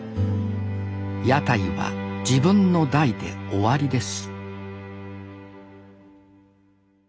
屋台は自分の代で終わりです